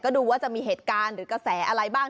ดูว่าจะมีเหตุการณ์หรือกระแสอะไรบ้าง